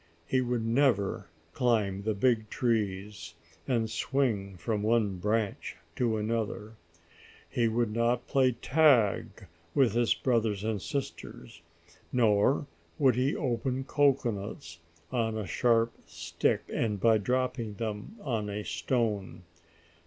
He would never climb the big trees, and swing from one branch to another. He would not play tag with his brothers and sisters, nor would he open cocoanuts on a sharp stick and by dropping them on a stone.